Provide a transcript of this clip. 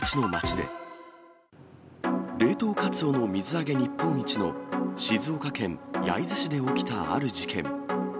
冷凍カツオの水揚げ日本一の、静岡県焼津市で起きたある事件。